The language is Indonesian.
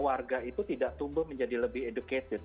karena warga itu tidak tumbuh menjadi lebih educated